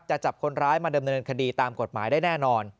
จับคนร้ายมาเดิมเนินคดีตามกฎหมายได้แน่นอน